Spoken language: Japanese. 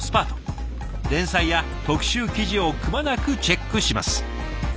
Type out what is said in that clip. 連載や特集記事をくまなくチェックします。